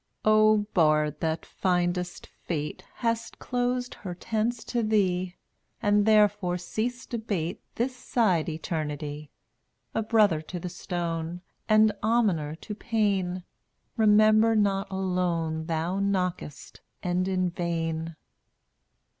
O bard that findest Fate Hast closed her tents to thee And therefore ceased debate This side Eternity, A brother to the stone And almoner to Pain Remember not alone Thou knockest, and in vain.